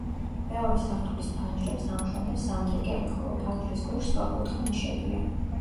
მეორე სართულის ფანჯრებს ამშვენებს სანდრიკები, ხოლო ფანჯრის ქვეშ სწორკუთხა ნიშებია.